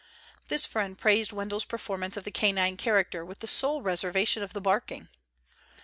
This friend praised Wendell's performance of the canine character, with the sole reservation of the barking.